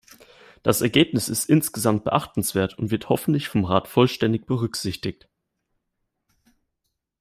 Das Ergebnis ist insgesamt beachtenswert und wird hoffentlich vom Rat vollständig berücksichtigt.